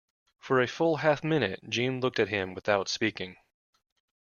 For a full half minute Jeanne looked at him without speaking.